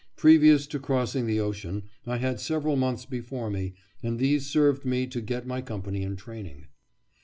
Previous to crossing the ocean I had several months before me, and these served me to get my company in training.